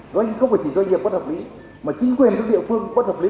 không phải chỉ doanh nghiệp bất hợp lý mà chính quyền các địa phương bất hợp lý